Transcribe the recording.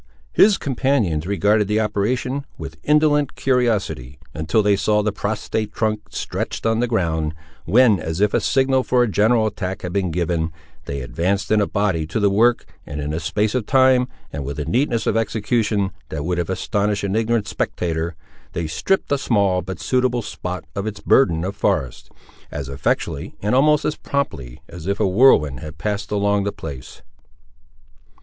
His companions regarded the operation with indolent curiosity, until they saw the prostrate trunk stretched on the ground, when, as if a signal for a general attack had been given, they advanced in a body to the work, and in a space of time, and with a neatness of execution that would have astonished an ignorant spectator, they stripped a small but suitable spot of its burden of forest, as effectually, and almost as promptly, as if a whirlwind had passed along the place.